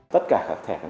tất cả các thẻ căn cước